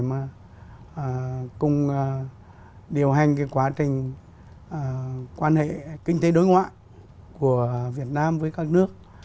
tham gia để mà cùng điều hành cái quá trình quan hệ kinh tế đối ngoại của việt nam với các nước